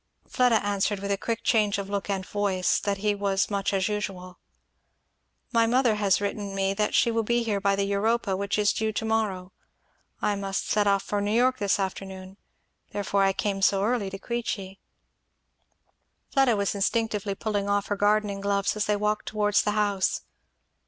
Fleda answered with a quick change of look and voice that he was much as usual. "My mother has written me that she will be here by the Europa, which is due to morrow I must set off for New York this afternoon; therefore I came so early to Queechy." Fleda was instinctively pulling off her gardening gloves, as they walked towards the house.